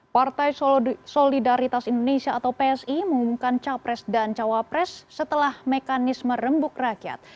partai solidaritas indonesia atau psi mengumumkan capres dan cawapres setelah mekanisme rembuk rakyat